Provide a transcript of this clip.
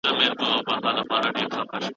بد دوست په سخت وخت کي ورک کېږي